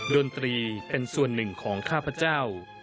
ดนตรีเป็นส่วนหนึ่งของข้าพเจ้า